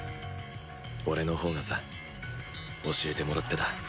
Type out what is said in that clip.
俺のほうがさ教えてもらってた。